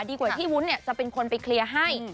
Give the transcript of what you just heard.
ดีกว่าที่วุ้นจะเป็นคนไปเคลียร์ให้